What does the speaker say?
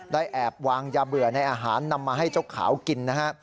แอบวางยาเบื่อในอาหารนำมาให้เจ้าขาวกินนะฮะ